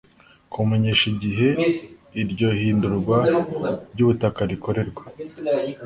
kumumenyesha igihe iryo hindurwa ryubutaka rikorerwa